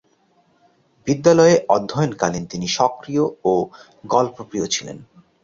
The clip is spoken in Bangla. বিদ্যালয়ে অধ্যয়নকালীন তিনি সক্রিয় ও গল্পপ্রিয় ছিলেন।